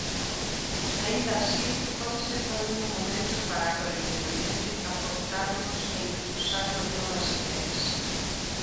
Aínda así, pode ser tamén un momento para colectivamente aportarmos e impulsarmos novas ideas.